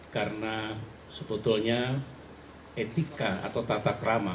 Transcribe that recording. karena sebetulnya etika atau tatakrama